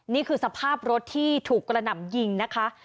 นี่คือสภาพรถที่ถูกกระหน่ำยิงนะคะ